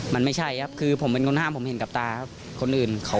มันไม่ใช่ครับคือผมเป็นคนห้ามผมเห็นกับตาครับคนอื่น